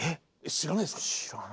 知らないですか？